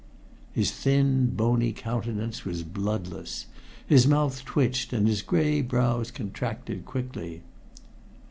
His thin, bony countenance was bloodless, his mouth twitched and his gray brows contracted quickly.